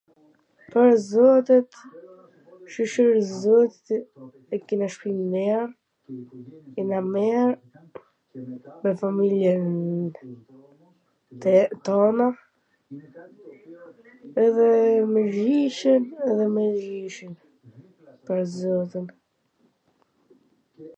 pwr zotin, shyqyr zotit e kena shpin mir, jena mir, me familje te tona edhe me gjyshen edhe me gjyshin, pwr zotin.